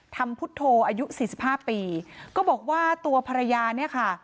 ทำพุทโธอายุ๔๕ปีก็บอกว่าตัวภรรยาเนี่ยค่ะ